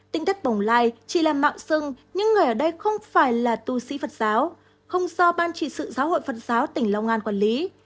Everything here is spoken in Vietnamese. tỉnh thất bồng lai chỉ làm mạo xưng nhưng người ở đây không phải là tu sĩ phật giáo không do ban chỉ sự giáo hội phật giáo tỉnh long an quản lý